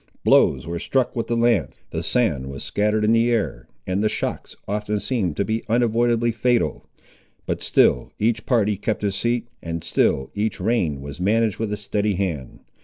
Blows were struck with the lance, the sand was scattered in the air, and the shocks often seemed to be unavoidably fatal; but still each party kept his seat, and still each rein was managed with a steady hand.